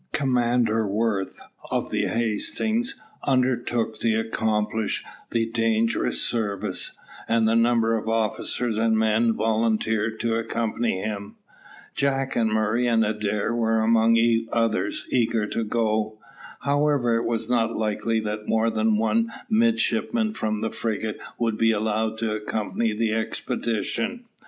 Commander Worth, of the Hastings, undertook to accomplish the dangerous service; and numbers of officers and men volunteered to accompany him. Jack and Murray and Adair were among others eager to go. However, it was not likely that more than one midshipman from the frigate would be allowed to accompany the expedition.